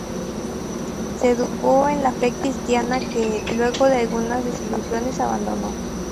Se educó en la fe cristiana que, luego de algunas desilusiones, abandonó.